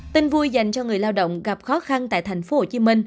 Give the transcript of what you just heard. tin vui dành cho người lao động gặp khó khăn tại tp hcm